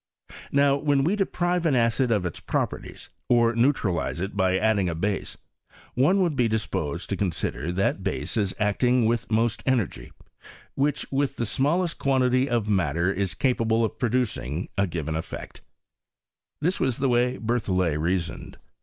Now when we deprive an acid of its ]m)perties, or neutralize it by adding a base, one vould be disposed to consider that base as acting 'vrith most energy, which with the smallest quantity of matter is capable of producing a given eff*ect« This was the way that BerthoUet reasoned.